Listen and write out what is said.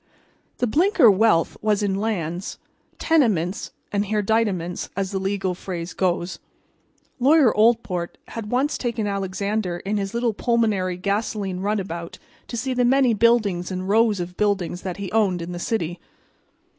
The Blinker wealth was in lands, tenements and hereditaments, as the legal phrase goes. Lawyer Oldport had once taken Alexander in his little pulmonary gasoline runabout to see the many buildings and rows of buildings that he owned in the city.